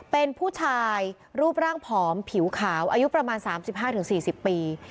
เป็นผู้ชายรูปร่างผอมผิวขาวอายุประมาณสามสิบห้าถึงสี่สิบปี